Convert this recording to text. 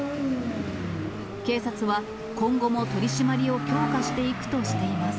警察は今後も取締りを強化していくとしています。